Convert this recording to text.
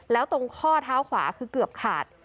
แล้วตรงข้อเท้าขวาคือเกือบขาด